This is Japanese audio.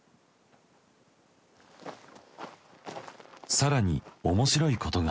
更に面白いことが。